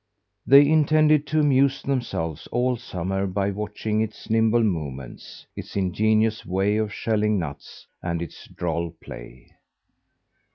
They intended to amuse themselves all summer by watching its nimble movements; its ingenious way of shelling nuts; and its droll play.